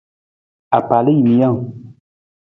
Apalajiimijang.